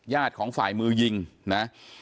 ญาติของฝ่ายมือยิงนะฮะ